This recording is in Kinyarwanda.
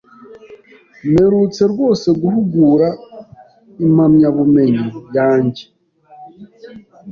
Mperutse rwose guhugura impamyabumenyi yanjye.